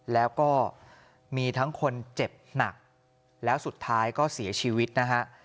แล้วก็มีทั้งคนเจ็บหนักแล้วสุดท้ายก็เสียชีวิตนะฮะ